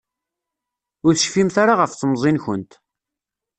Ur tecfimt ara ɣef temẓi-nkent.